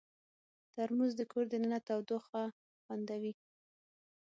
ترموز د کور دننه تودوخه خوندوي.